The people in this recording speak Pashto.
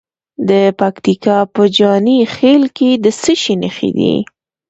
د پکتیکا په جاني خیل کې د څه شي نښې دي؟